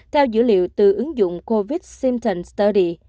theo dữ liệu từ ứng dụng covid symptom study